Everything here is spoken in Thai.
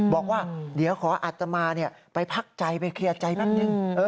บอกว่าเดี๋ยวขออัตมาไปพักใจไปเคลียร์ใจแป๊บนึง